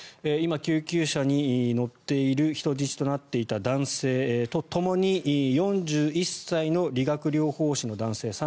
今、救急車に乗っている人質となった男性とともに４１歳の理学療法士の男性